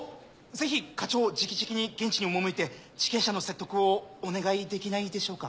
ぜひ課長じきじきに現地に赴いて地権者の説得をお願いできないでしょうか？